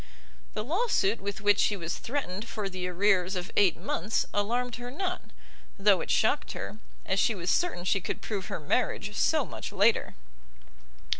The law suit with which she was threatened for the arrears of eight months, alarmed her not, though it shocked her, as she was certain she could prove her marriage so much later.